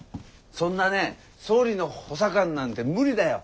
そんなね総理の補佐官なんて無理だよ。